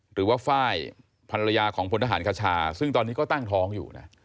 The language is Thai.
หรือว่าไฟล์ภรรยาของพลทหารคชาซึ่งตอนนี้ก็ตั้งท้องอยู่นะ